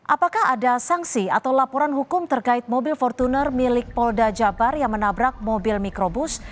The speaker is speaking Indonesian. apakah ada sanksi atau laporan hukum terkait mobil fortuner milik polda jabar yang menabrak mobil mikrobus